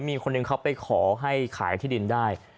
มีคนหนึ่งเขาไปขอให้ขายที่ดินได้